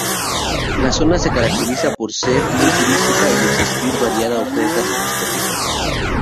La zona se caracteriza por ser muy turística y existir variada oferta de discotecas.